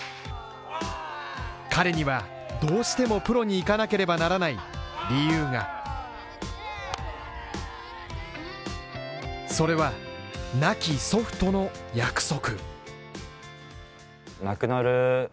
彼にはどうしてもプロに行かなければならない理由がそれは亡き祖父との約束。